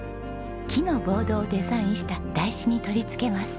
木のボードをデザインした台紙に取り付けます。